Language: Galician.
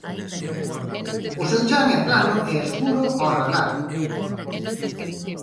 O seu chan é plano e escuro ó radar.